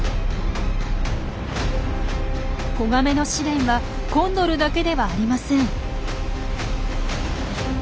子ガメの試練はコンドルだけではありません。